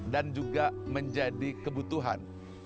dan juga menjadi kebutuhan